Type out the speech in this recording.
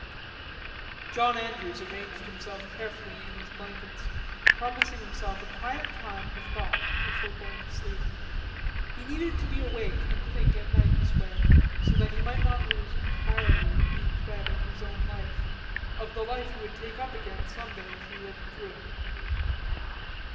John Andrews arranged himself carefully in his blankets, promising himself a quiet time of thought before going to sleep. He needed to be awake and think at night this way, so that he might not lose entirely the thread of his own life, of the life he would take up again some day if he lived through it.